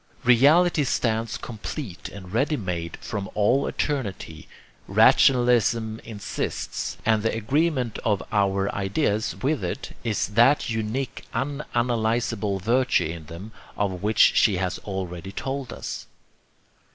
Reality stands complete and ready made from all eternity, rationalism insists, and the agreement of our ideas with it is that unique unanalyzable virtue in them of which she has already told us.